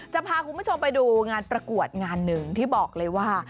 จะพาคุณผู้ชมไปดูงานประกวดงานหนึ่งที่บอกเลยว่า